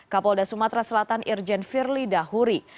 kapolda sumatera selatan irjen firly dahuri